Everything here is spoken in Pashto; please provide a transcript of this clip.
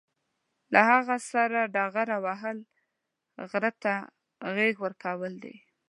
له هغه سره ډغره وهل، غره ته غېږ ورکول دي.